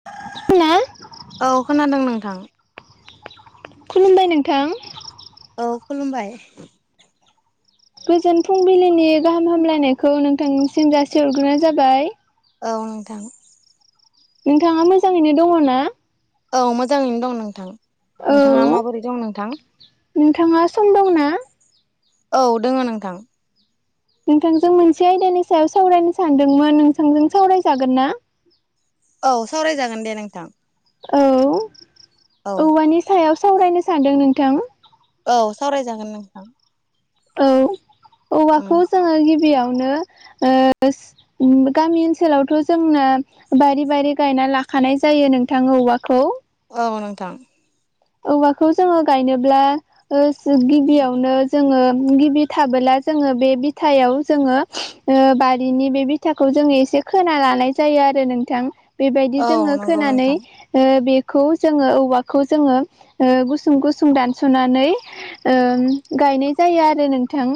[unintelligible] औ खोनादों नोंथां। खुलुमबाय नोंथां। औ खुलुमबाय। गोजोन फुंबिलिनि गाहाम हामलायनायखौ नोंथांनिसिम जासिहरग्रोनाय जाबाय। औ नोंथां। नोंथाङा मोजाङैनो दङ ना? औ मोजाङैनो दं नोंथां। औ नोंथाङा माबोरै दं नोंथां? नोंथाङा सम दं ना? औ दोङो नोंथां। नोंथांजों मोनसे आयदानि सायाव सावरायनो सानदोंमोन नोंथांजों सावरायजागोन ना? औ सावरायजागोन दे नोंथां। औ औ औवानि सायाव सावरायनो सानदों नोंथां। औ सावरायजागोन नोंथां। औ उम औवाखौ जोङो गिबियावनो ओ उम गामि ओनसोलावथ' जोंना बारि बारि गायना लाखानाय जायो नोंथां औवाखौ। औ नोंथां। औवाखौ जोङो गायनोब्ला ओ गिबियावनो जोङो गिबि थाबोला जोङो बे बिथायाव जोङो ओ बारिनि बे बि थाखौ जोङो एसे खोना लानाय जायो आरो नोंथां बेबायदि औ जोङो नंगौ खोनानै नोंथां ओ बेखौ जोङो औवाखौ जोङो ओ गुसुं गुसुं दानस'नानै ओम गायनाय जायो आरो नोंथां।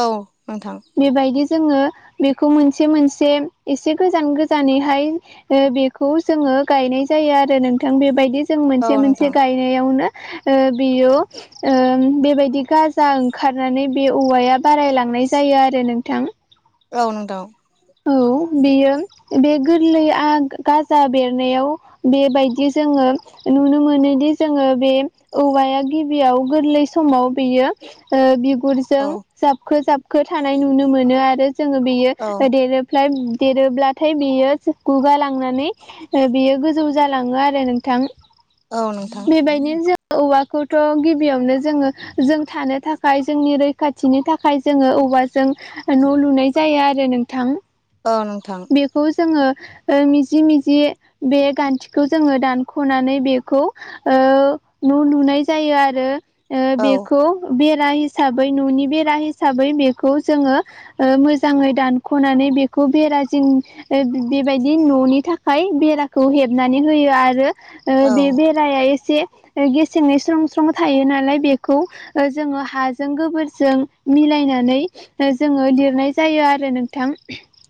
औ नोंथां। बेबायदि जोङो बेखौ मोनसे मोनसे एसे गोजान गोजानैहाय बेखौ जोङो गायनाय जायो आरो नोंथां बेबायदि जों औ मोनसे मोनसे नोंथां गाय यावनो ओ बेयो ओ बेबायदि गाजा ओंखारनानै बे औवाया बारायलांनाय जायो आरो नोंथां। औ नोंथां। औ बेयो बे गोरलैआ गाजा बेरनायाव बेबायदि जोङो नुनो मोनोदि जोङो बे औवाया गिबियाव गोरलै समाव बेयो ओ बिगुरजों औ जाबखो जाबखो थानाय नुनो मोनो आरो जोङो बेयो औ एरोप्लायफ देरोब्लाथाय बेयो गुगा लांनानै ओ बेयो गोजौ जालाङो आरो नोंथां। औ नोंथां बेबायनो जों औवाखौथ' गिबियावनो जोङो जों थानो थाखाय जोंनि रैखाथिनि थाखाय जोङो औवाजों न' लुनाय जायो आरो नों थां। औ नोंथां बेखौ जोङो ओ मिजि मिजि बे गान्थिखौ जोङो दानख'नानै बेखौ ओ न' लुनाय जायो आरो औ बेखौ बेरा हिसाबै न'नि बेरा हिसाबै बेखौ जोङो मोजाङै दान खनानै बेखौ बेरा जिं बेबायदि न'नि थाखाय बेराखौ हेबनानै होयो आरो औ बे बेरा राया एसे गेसेङै स्रं स्रं थायो नालाय बेखौ जोङो हाजों गोबोरजों मिलायनानै जोङो लिरनाय जायो आरो। नोंथां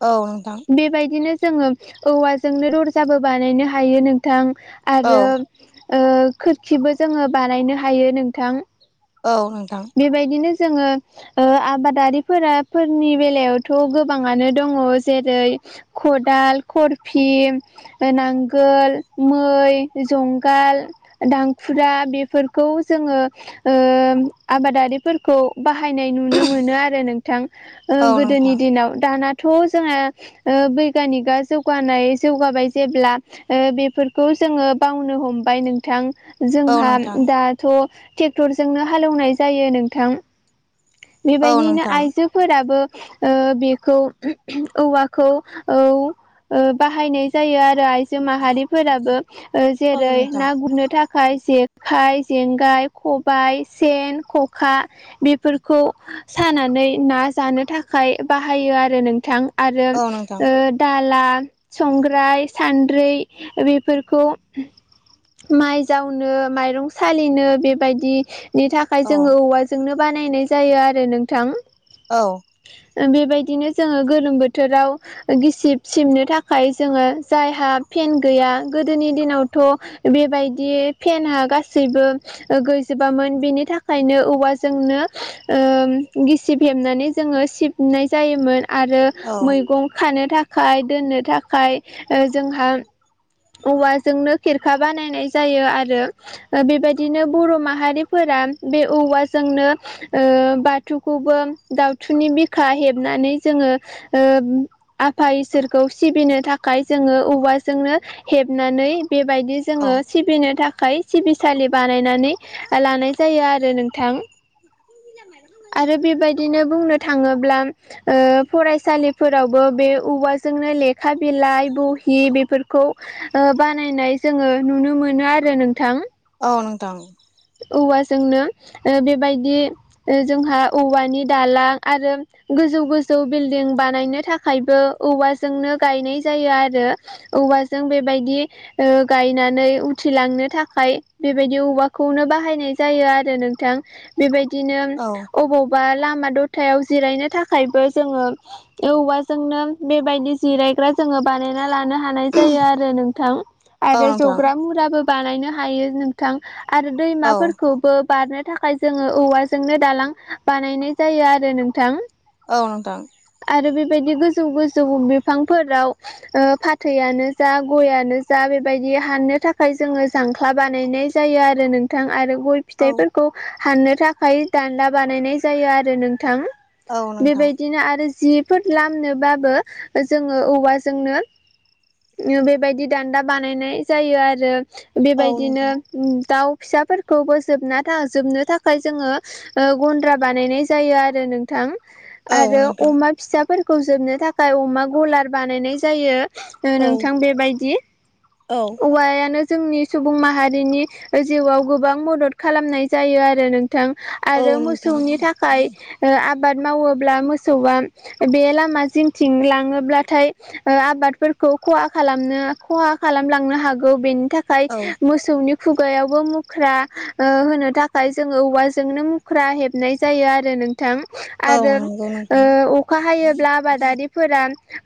औ नोंथां बेबायदिनो जोङो औवाजोंनो दरजाबो बानायनो हायो नोंथां औ आरो ओ खोरखिबो जोङो बानायनो हायो नोंथां। औ नोंथां बेबायदिनो जोङो ओ आबादारिफोरा फोरनि बेलायावथ' गो गोबाङानो दङ जेरै खदाल खरफि नांगोल मै जंगाल दांखुरा बेफोरखौ जोङो ओ आबादारिफोरखौ बाहायनाय नुनो मोनो आरो नोंथां ओ औ गोदोनि नोंथां दिनाव दानाथ' जोङो ओ बैगानिकआ जौगानाय जौगाबाय जेब्ला ओ बेफोरखौ जोङो बावनो हमबाय नोंथां। औ जोंहा नोंथां दाथ' ट्रेक्टरजोंोंनो हालेवनाय जायो नोंथां। औ बेबायदिनो नोंथां आइजोफोराबो बे औवाखौ औ बाहायनाय जायो आरो। आइजो माहारिफोराबो औ जेरै नोंथां ना गुरनो थाखाय खाइ जेखाइ जेंगाय खबायाइ सेन खखा बेफोरखौ सानानै ना जानो थाखाय बा बाहायो आरो नोंथां आरो औ नोंथां ओ दाला संग्राय सान्द्रि बेफोरखौ माइ जावनो माइरं सालिनो बेबायदि नि थाखाय औ जोङो औवाजोंनो बानायनाय जायो आरो नोंथां। औ बेबायदिनो जोङो गोलोम बोथोराव गिसिब सिबनो थाखाय जोङो जायहा फेन गैया गोदोनि दिनावथ' बेबायदि फेेनआ गासैबो गैजोबामोन बेनि थाखायनो औवाजोंनो गिसिब हेबनानै जोङो सिब नाय जायोमोन आरो औ मैगं खानो थाखाय ख दोननो थाखाय जोंहा औवाजोंनो खेरखा बानायनाय जायो आरो बेबायदिनो बर' माहारिफोरा बे औवाजोंनो ओ बाथौखौबो दउथुनि बिखा हेबनानै जोङो ओ आफा इसोरखौ सिबिनो थाखाय जोङो औवाजोंनो हेबनानै बेबायदि औ जोङो सिबिनो थाखाय सिबिसालि बानायनानै लानाय जायो आरो। थां आरो बेबायदिनो बुंनो थाङोब्ला ओ फरायसालिफोरावबो बे औवाजोंनो लेखा बिलाइ बहि बेफोरखौ बानायनाय जोङो नुनो मोनो आरो नोंथां। औ नोंथां औवाजोंनो बेबायदि जोंहा औवानि दालां आरो गोजौ गोजौ बिल्डिं बानायनो थाखायबो औवाजोंनो गायनाय जायो आरो। औवाजों बेबायदि गायनानै उथिलांनो थाखाय बेबायदि औवा खौनो बाहायनाय जायो आरो नोंथां। बेबायदिनो औ अबाव बा लामा दथायाव जिरायनो थाखायबो जोङो औवाजोंनो बेबायदि जिरायग्रा जोङो बानायना लानो हानाय जायो आरो नोंथां। औ आरो नोंथां जग्रा मुराबो बानायनो हायो नोंथां। आरो औ दैमाफोरखौबो बारनो थाखाय जोङो औवाजोंनो दालां बानायनाय जायो आरो नोंथां। औ नोंथां। आरो बेबायदि गोजौ गोजौ बिफांफोराव ओ फाथैयानो जा, गयानो जा, बेबायदि हाननो थाखाय जोङो जांख्ला बानायनाय जायो आरो। नो नोंथां आरो गय औ फिथाइफोरखौ खौ हाननो थाखाय दानदा बानायनाय जायो आरो नोंथां। औ नोंथां बेबायदिनो आरो जिफोर लामनोबाबो जोङो औवाजोंनो बेबायदि दान्दा बानायनाय जायो आरो औ बेबायदिनो नोंथां ओम दाउ फिसाफोरखौबो जोबना थाजोबनो थाखाय जोङो ओ गन्द्रा बानायनाय जायो आरो नोंथां। औ आरो नोंथां अमा फिसाफोरखौ जोबनो थाखाय अमा गलार बानायनाय जायो। ओ औ नोंथां बेबायदि। औ औवायानो जोंनि सुबुं माहारिनि जिउआव गोबां मदद खालामनाय जायो आरो नोंथां। औ आरो नोंथां मोसौनि थाखाय ओ आबाद मावोब्ला मोसौआ बे लामा जिंथिं लाङोब्लाथाय ओ आबादफोरखौ खहा खालामनो खहा खालामलांनो हागौ। बेनि थाखाय औ मोसौनि खुब खुगायावबो मुख्रा ओ होनो थाखाय जोङो औवाजोंनो मुख्रा हेबनाय जायो आरो नोंथां। औ आरो नंगौ नोंथां ओ अखा हायोब्ला आबादारि फोरा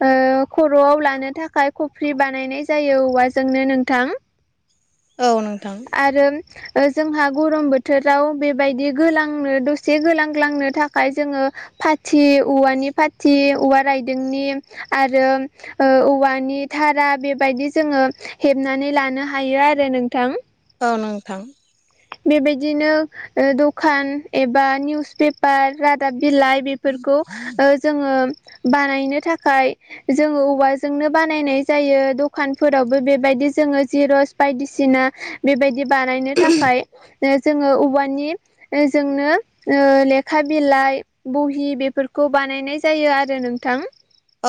ओ खर'आव लानो थाखाय खफ्रि बानायनाय जायो औवाजोंनो नोंथां। औ नोंथां। आरो ओ जोंहा गरम बोथोराव बेबायदि गोलांनो दसे गोलांगालांनो थाखाय जोङो फाथि, औवानि फाथि, औवा रायदोंनि आरो ओ औवानि धारा बेबायदि जोङो हेबनानै लानो हायो आरो नोंथां। औ नोंथां। बेबायदिनो ओ दखान एबा निउस पेपार, रादाब बिलाइ, बेफ बेफोरखौ ओ जोङो बानायनो थाखाय जोङो औवाजोंनो बानायनाय जायो। दखानफोरावबो बेबायदि जोङो जिरस बायदिसिना बेबायदि बानायनो थाखाय ओ जोङो औवानि जोंनो ओ लेखा बिलाइ बहि बेफोरखौ बानायनाय जायो आरो नोंथां।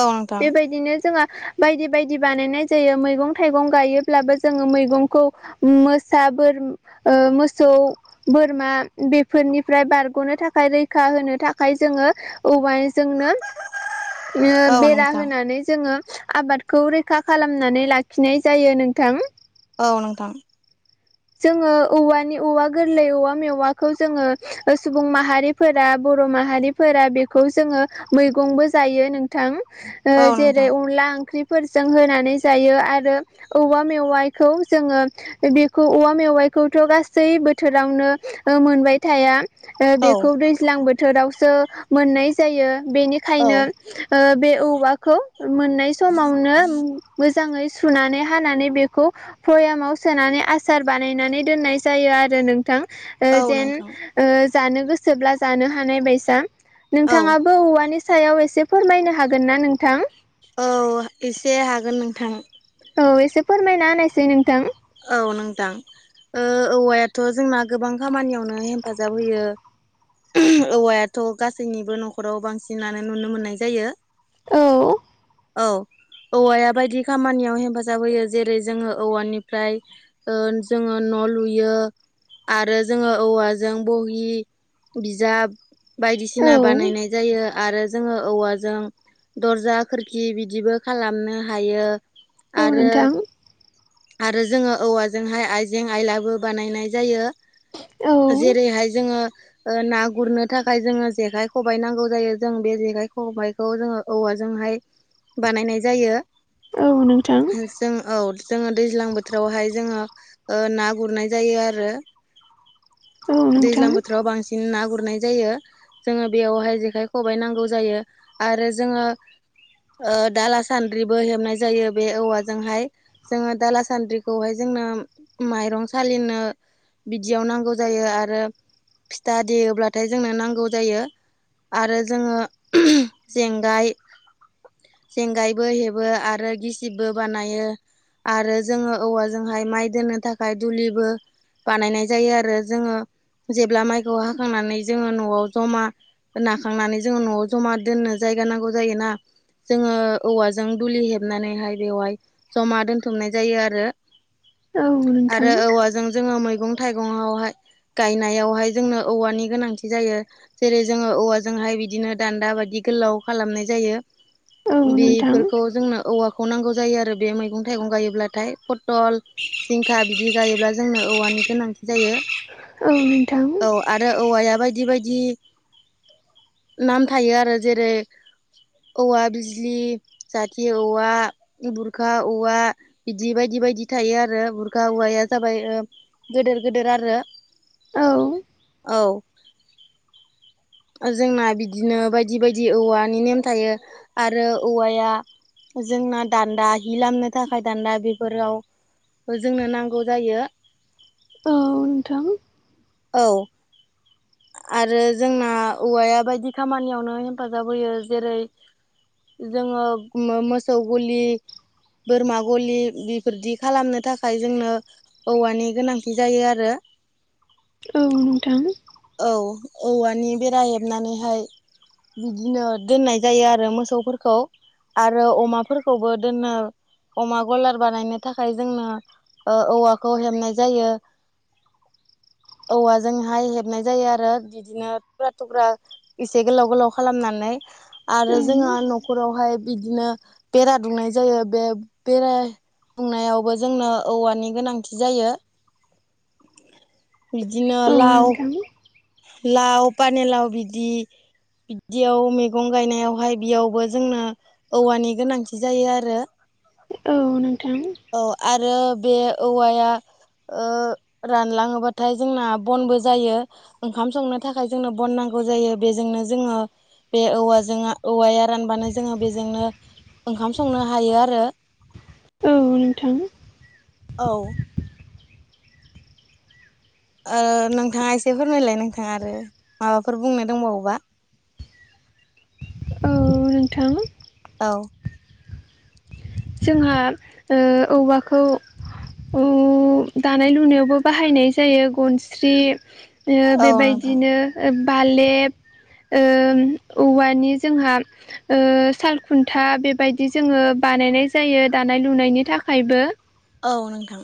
औ नोंथां बेबायदिनो जोंहा बायदि - बायदि बानायनाय जायो। मैगं - थाइगं गायोब्लाबो जोङो मैगंखौ मोसा बोर ओ मोसौ बोरमा बेफोरनिफ्राय बारग'नो थाखाय, रैखा होनो थाखाय, जोङो औवा जोंनो ओ औ बेरा नोंथां होनानै जोङो आबादखौ रैखा खालामनानै लाखिनाय जायो नोंथां। औ नोंथां। जोङो औवानि -औवा गोरलै, औवा मेवाखौ, जोङो ओ सुबुं माहारिफोरा बर' माहारि फोरा बेखौ जोङो मैगंबो जायो नोंथां। ओ औ जेरै नोंथां -अनला ओंख्रि फोरजों होनानै जायो। आरो औवा मेवाइखौ जोङो बे औवा मेवाइखौथ' गासै बोथोरावनो ओ मोनबाय थाया। ओ औ बेखौ दै दैज्लां बोथोरावसो मोननाय जायो। बेनि बेखायनो औ ओ बे औवाखौ मोननाय समावनो मोजाङै सुनानै हानानै बेखौ भयामाव सोनानै आ आसार बानायनानै दोननाय जायो आरो नोंथां। ओ औ जेन नोंथां ओ जानो गोसोब्ला जानो हानाय बायसा, औ नोंथाङाबो औवानि सायाव एसे फोरमायनो हागोन ना नोंथां। औ एसे हागोन नोंथां। औ एसे फोरमायना होनायसै नोंथां। औ नोंथां। ओ औवायाथ' जोंना गोबां खामानियावनो हेफाजाब होयो। औवायाथ' गासैनिबो न'खराव बांसिनानो नुनो मोननाय जायो। औ। औ औवाया बायदि खामानियाव हेफाजाब होयो जेरै जोङो औवानिफ्राय ओ जोङो न' लुयो। आरो जोङो औवाजों बहि बिजाब औ बायदिसिना बानायनाय जायो आरो जोङो औवाजों दरजा खोरखि बिदिबो खालामनो हायो औ आरो नोंथां आरो जोङो औवाजोंहाय आइजें आयलाबो बानायनाय जायो। औ जेरैहाय जोङो ओ ना गुरनो थाखाय जोङो जेखाइ खबाइ नांगौ जायो जों बे जेखाइ खबाइखौ जोङो औवाजोंहाय बानायनाय जायो। औ नोंथां जों औ जोङो दैज्लां बोथोरावहाय जोङो ना गुरनाय जायो आरो। औ दैज्लां नोंथां बोथोराव बांसिन बिदिनो ना गुरनाय जायो। जोङो बेयावहाय जेखाइ खबाइ नांगौ जायो। आरो जोङो ओ दाला सान्द्रिबो हेबनाय जायो बे औवाजोंहाय जोङो दाला सान्द्रिखौहाय जोंनो माइरं सालिनो बिदियाव नांगौ जायो आरो फिथा देयोब्लाथाय जोंनो नांगौ जायो। आरो जोङो जेंगाय जेंगायबो हेबो आरो गिसिबबो बानायो। आरो जोङो औवाजोंहाय माइ दोननो थाखाय दुलिबो बानायनाय जायो आरो जोङो जेब्ला माइखौ हाखांनानै जोङो न'आव जमा नाखांनानै जोङो न'आव जमा दोननो जायगा नांगौ जायोना जोङो औवाजों दुलि हेबनानैहाय बेवहाय जमा दोनथुमनाय जायो आरो। औ नोंथां आरो औवाजों जोङो मैगं - थाइगं आवहाय गायनायावहाय जोंनो औवानि गोनांथि जायो। जेरै जोङो औवाजोंहाय बिदिनो दान्दा बायदि गोलाव खालामनाय जायो। औ नोंथां बेफोरखौ जोंनो औवाखौ नांगौ जायो आरो बे मैगं - थाइगं गायोब्लाथाय फटल जिंखा बिदि गायोब्ला जोंनो औवानि गोनांथि जायो। औ नोंथां औ आरो औवाया बायदि बायदि नाम थायो आरो जेरै औवा बिजलि जाथि औवा बुरखा औवा बिदि बायदि बायदि थायो आरो बुरखा औवाया जाबाय गेदेर गेदेर आरो औ औ जोंना बिदिनो बायदि बायदि औवानि नेम थायो आरो औवाया जोंना दान्दा हि लामनो थाखाय दान्दा बेफोराव जोंनो नांगौ जायो। औ नोंथां। औ। आरो जोंना औवाया बायदि खामानियावनो हेफाजाब होयो जेरै जोङो मो मोसौ गलि बोरमा गलि बेफोरदि खालामनो थाखाय जोंनो औवानि गोनांथि जायो आरो औ नोंथां औ औवानि बेरा हेबनानैहाय बिदिनो दोननाय जायो आरो मोसौफोरखौ आरो अमाफोरखौबो दोननो अमा गलार बानायनो थाखाय जोंनो औवाखौ हेबनाय जायो औवाजोंहाय हेब हाबनाय जायो आरो बिदिनो थुख्रा थुख्रा एसे गोलाव गोलाव खालामनानै आरो जोंहा न'खरावहाय बिदिनो बेरा दुंनाय जायो। बे बेराय सुंनायावबो जोंनो औवानि गोनांथि जायो। बिदिनो लाव-लाव पानिलाव बिदि बिदियाव मैगं गायनायावहाय बेयावबो जोंनो औवानि गोनांथि जायो आरो। औ औ नोंथां। औ आरो बे औवाया ओ रानलाङोबाथाय जोंना बनबो जायो। ओंखाम संनो थाखाय जोंनो बन नांगौ जायो। बेजोंनो जोङो बे औवाजों औवाया रानबानो जोङो बेजोंनो ओंखाम संनो हायो आरो। औ नोंथां। औ! ओ नोंथाङा एसे फोरमायलाय नोंथाङा आरो माबाफोर बुंनो दंबावोबा? औ नोंथां। औ! जोंहा ओ औवाखौ दानाय लुनायावबो बाहायनाय जायो। गनस्रि औ नोंथां बेबायदिनो बालेब ओ औवानि जोंहा ओ सालखुन्था बेबायदि जोङो बानायनाय जायो दानाय लुनायनि थाखायबो। औ नोंथां।